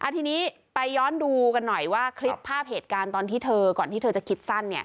ทีนี้ไปย้อนดูกันหน่อยว่าคลิปภาพเหตุการณ์ตอนที่เธอก่อนที่เธอจะคิดสั้น